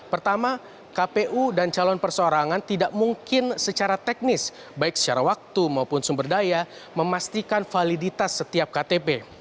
pertama kpu dan calon perseorangan tidak mungkin secara teknis baik secara waktu maupun sumber daya memastikan validitas setiap ktp